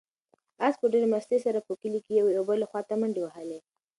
آس په ډېرې مستۍ سره په کلي کې یوې او بلې خواته منډې وهلې.